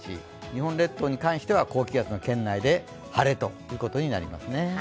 日本列島に関しては高気圧の圏内で晴れということになりますね。